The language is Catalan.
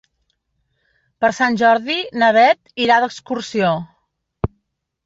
Per Sant Jordi na Beth irà d'excursió.